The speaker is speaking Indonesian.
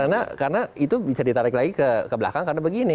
karena itu bisa ditarik lagi ke belakang karena begini